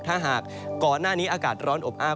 ถ้าหากก่อนหน้านี้อากาศร้อนอบอ้าว